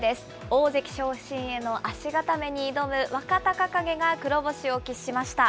大関昇進への足固めに挑む若隆景が黒星を喫しました。